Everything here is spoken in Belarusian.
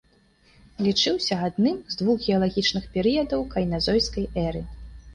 Лічыўся адным з двух геалагічных перыядаў кайназойскай эры.